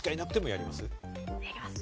やります。